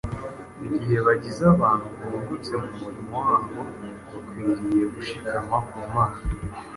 Igihe bagize abantu bungutse mu murimo wabo bakwiriye gushikama ku Mana,